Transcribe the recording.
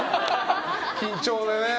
緊張でね。